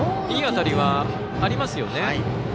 いい当たりはありますよね。